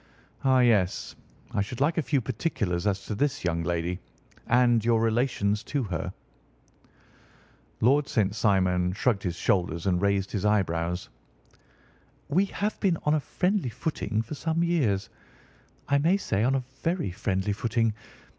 "Ah, yes. I should like a few particulars as to this young lady, and your relations to her." Lord St. Simon shrugged his shoulders and raised his eyebrows. "We have been on a friendly footing for some years—I may say on a very friendly footing.